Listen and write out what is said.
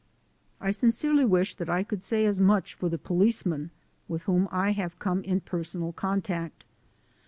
I sincerely wish that I could say as much for the policemen with whom I have come in personal con tact.